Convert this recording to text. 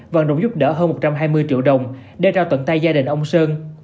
và đồng giúp đỡ hơn một trăm hai mươi triệu đồng để rao tận tay gia đình ông sơn